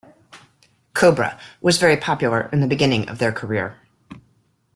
Cobra was very popular in the beginning of their career.